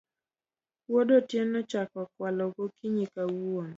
Wuod Otieno ochako okwala gokinyi kawuono